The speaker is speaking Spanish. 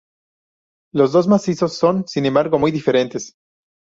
Los dos macizos son, sin embargo, muy diferentes.